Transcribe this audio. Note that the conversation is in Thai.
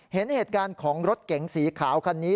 เห็นเหตุการณ์ของรถเก๋งสีขาวคันนี้